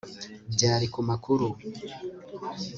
Byari ku makuru